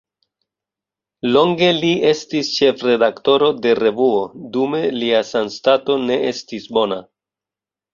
Longe li estis ĉefredaktoro de revuo, dume lia sanstato ne estis bona.